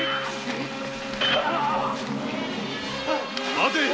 待て！